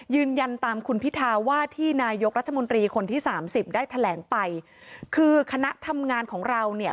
ยืนยันตามคุณพิธาว่าที่นายกรัฐมนตรีคนที่สามสิบได้แถลงไปคือคณะทำงานของเราเนี่ย